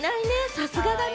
さすがだね。